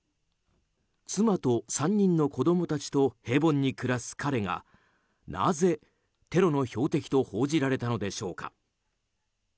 妻と３人の子供たちと平凡に暮らす彼がなぜテロの標的と報じられたのでしょうか。